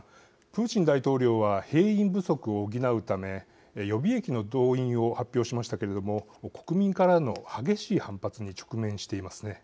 プーチン大統領は兵員不足を補うため予備役の動員を発表しましたけれども国民からの激しい反発に直面していますね。